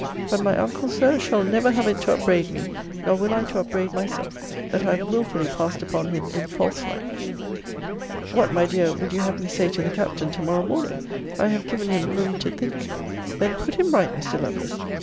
But my uncle, Sir, shall never have it to upbraid me, nor will I to upbraid myself, that I have wilfully passed upon him in false lights. What, my dear, would you have me say to the Captain to morrow morning? I have given him room to think Then put him right, Mr. Lovelace.